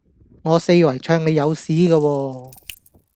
我四圍唱你有屎架喎